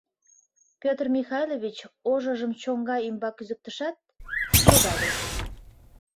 Петр Михайлович ожыжым чоҥга ӱмбак кӱзыктышат, шогале.